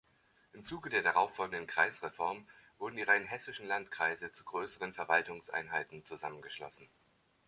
Im Zuge der darauffolgenden Kreisreform wurden die rheinhessischen Landkreise zu größeren Verwaltungseinheiten zusammengeschlossen.